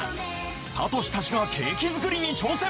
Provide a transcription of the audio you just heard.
サトシたちがケーキ作りに挑戦！